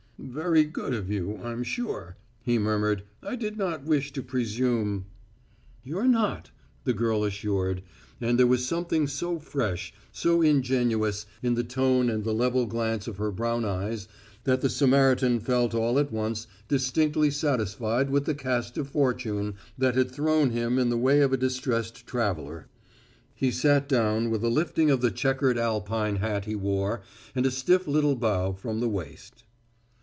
"Very good of you, I'm sure," he murmured. "I did not wish to presume " "You're not," the girl assured, and there was something so fresh, so ingenuous, in the tone and the level glance of her brown eyes that the Samaritan felt all at once distinctly satisfied with the cast of fortune that had thrown him in the way of a distressed traveler. He sat down with a lifting of the checkered Alpine hat he wore and a stiff little bow from the waist.